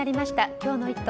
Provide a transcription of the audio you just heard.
今日の「イット！」